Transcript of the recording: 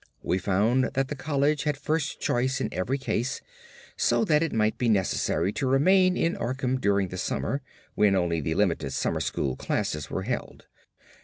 We found that the college had first choice in every case, so that it might be necessary to remain in Arkham during the summer, when only the limited summer school classes were held.